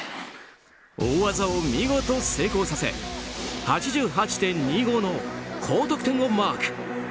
大技を見事成功させ８８．２５の高得点をマーク。